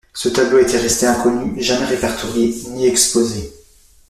Ce tableau était resté inconnu, jamais répertorié, ni exposé.